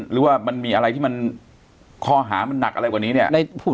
หรือว่ามันมีอะไรที่มาครอหะมันหนักอะไรกว่านี้